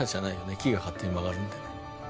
木が勝手に曲がるんだから。